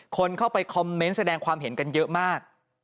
คนเข้าไปคอมเมนต์แสดงความเห็นกันเยอะมาก